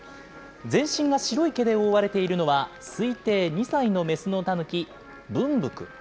全身が白い毛で覆われているのは、推定２歳の雌のタヌキ、ぶんぶく。